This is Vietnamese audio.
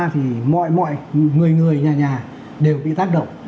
thì mọi người nhà nhà đều bị tác động